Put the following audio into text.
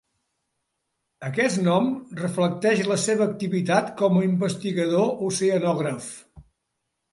Aquest nom reflecteix la seva activitat com a investigador oceanògraf.